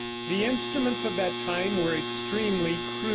The instruments of that time were extremely crude.